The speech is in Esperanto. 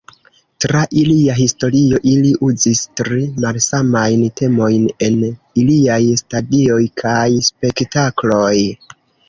Tra ilia historio, ili uzis tri malsamajn temojn en iliaj stadioj kaj spektakloj.